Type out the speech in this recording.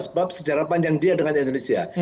sebab sejarah panjang dia dengan indonesia